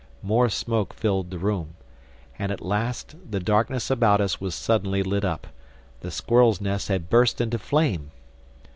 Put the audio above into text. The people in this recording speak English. More smoke filled the room. And at last the darkness about us was suddenly lit up. The squirrel's nest had burst into flame.